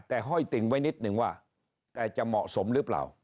แต่ห้อยติ่งไว้นิดนึงว่าแต่จะเหมาะสมหรือเปล่า